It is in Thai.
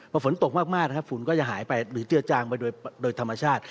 พอฝนตกมากนะครับฝุ่นก็จะหายไปหรือเจือจางไปโดยธรรมชาติ